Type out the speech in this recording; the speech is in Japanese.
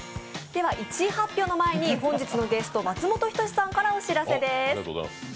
では１位発表の前に、本日のゲスト、松本人志さんからお知らせです。